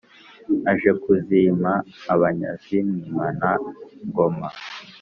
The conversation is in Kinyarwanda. aje kuzima abanyazi mwimana-ngoma